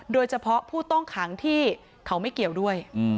โดยเฉพาะผู้ต้องขังที่เขาไม่เกี่ยวด้วย